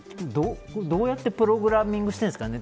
どうやってプログラミングしてるんですかね。